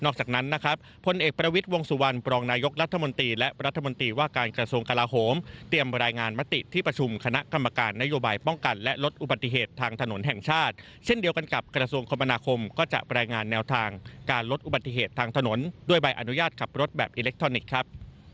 ขับรถแบบอิเล็กทรอนิกส์ครับ